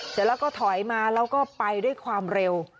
เสร็จแล้วก็ถอยมาแล้วก็ไปด้วยความเร็ว